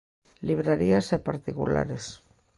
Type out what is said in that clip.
Librarías e particulares.